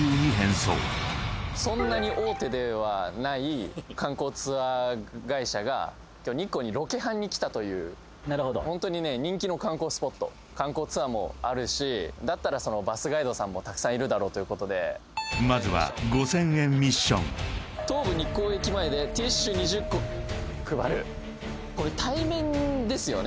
そんなに大手ではない観光ツアー会社が日光にロケハンに来たというホントにね人気の観光スポット観光ツアーもあるしだったらバスガイドさんもたくさんいるだろうということでまずはこれ対面ですよね